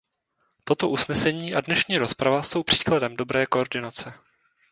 Toto usnesení a dnešní rozprava jsou příkladem dobré koordinace.